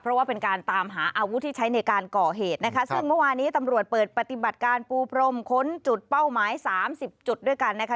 เพราะว่าเป็นการตามหาอาวุธที่ใช้ในการก่อเหตุนะคะซึ่งเมื่อวานี้ตำรวจเปิดปฏิบัติการปูพรมค้นจุดเป้าหมายสามสิบจุดด้วยกันนะคะ